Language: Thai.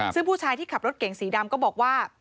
ซึ่งผู้ชายที่ขับรถเก่งสีดำก็บอกว่า